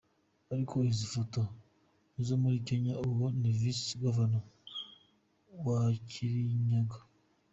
Ariko izi photos n’izo muri Kenya uwo ni Vice-Governor wa Kirinyaga.